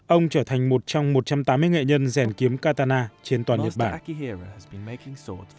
ông trở thành một trong một trăm tám mươi nghệ nhân rèn kiếm katana trên toàn nhật bản